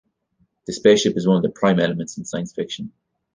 The spaceship is one of the prime elements in science fiction.